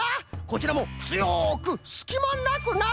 こちらもつよくすきまなくな。